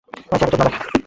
চেহারায় চোদনা লেখা?